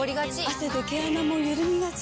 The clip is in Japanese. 汗で毛穴もゆるみがち。